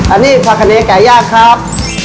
อันนี้ภาคเนกไก่ยากครับ